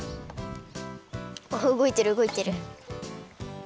おっうごいてるうごいてる。